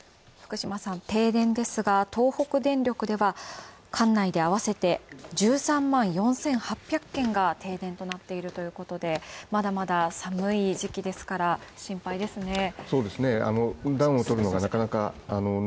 停電ですが東北電力では、管内で合わせて１３万４８００軒が停電となっているということで、まだまだ寒い時期ですから心配ですね